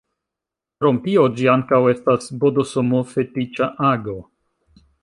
Krom tio ĝi ankaŭ estas bdsm-fetiĉa ago.